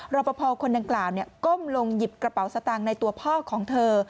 รอปภคนดังกล่าวก้มลงหยิบกระเป๋าสตางค์ในตัวพ่อของเธอ